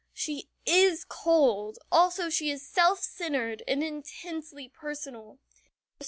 She is cold, also she is self centered and intensely personal.